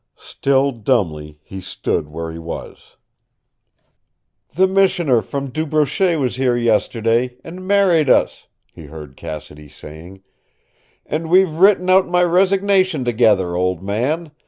Still dumbly he stood where he was. "The Missioner from Du Brochet was here yesterday, and married us," he heard Cassidy saying. "And we've written out my resignation together, old man.